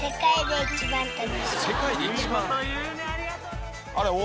ありがとう。